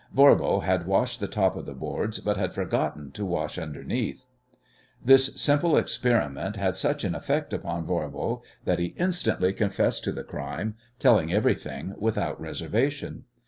Voirbo had washed the top of the boards, but had forgotten to wash underneath. This simple experiment had such an effect upon Voirbo that he instantly confessed to the crime, telling everything without reservation.